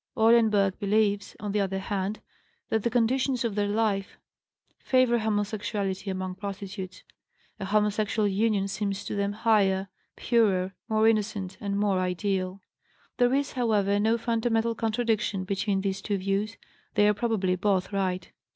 Eulenburg believes, on the other hand, that the conditions of their life favor homosexuality among prostitutes; "a homosexual union seems to them higher, purer, more innocent, and more ideal." There is, however, no fundamental contradiction between these two views; they are probably both right.